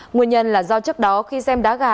nguyên nhân là do trước đó khi xem đá gà